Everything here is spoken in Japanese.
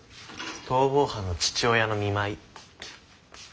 逃亡犯の父親の見舞い。